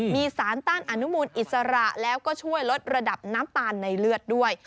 มีสารต้านอนุมูลอิสระแล้วก็ช่วยลดระดับน้ำตาลในเลือดด้วย